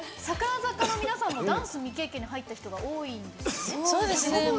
櫻坂の皆さんも、ダンス未経験で入った人が多いんですよね。